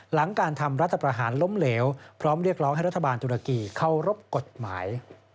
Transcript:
หลังการทำรัฐประหารล้มเหลวพร้อมเรียกร้องให้รัฐบาลตุรกีเข้ารบกฎหมาย